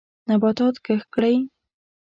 نباتات کښت کړئ.